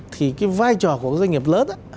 thì vai trò của doanh nghiệp lớn